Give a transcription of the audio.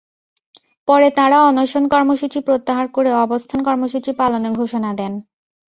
পরে তাঁরা অনশন কর্মসূচি প্রত্যাহার করে অবস্থান কর্মসূচি পালনের ঘোষণা দেন।